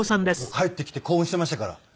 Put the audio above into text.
帰ってきて興奮していましたから。